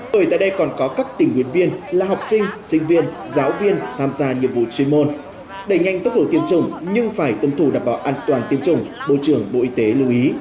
bởi tại đây còn có các tình nguyện viên là học sinh sinh viên giáo viên tham gia nhiệm vụ chuyên môn đẩy nhanh tốc độ tiêm chủng nhưng phải tuân thủ đảm bảo an toàn tiêm chủng bộ trưởng bộ y tế lưu ý